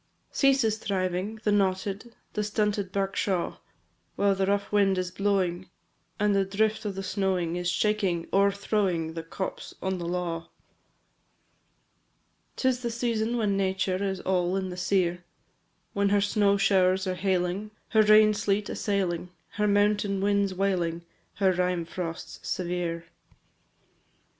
Ceases thriving, the knotted, The stunted birk shaw; While the rough wind is blowing, And the drift of the snowing Is shaking, o'erthrowing, The copse on the law. IV. 'Tis the season when nature Is all in the sere, When her snow showers are hailing, Her rain sleet assailing, Her mountain winds wailing, Her rime frosts severe.